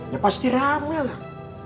ya pasti rame lah